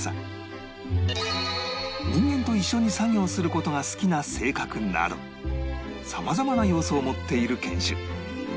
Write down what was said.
人間と一緒に作業する事が好きな性格など様々な要素を持っている犬種